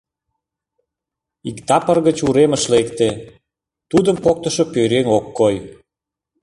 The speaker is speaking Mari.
Иктапыр гыч уремыш лекте — тудым поктышо пӧръеҥ ок кой.